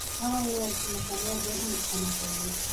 هغه وویل چې مطالعه ذهن روښانه کوي.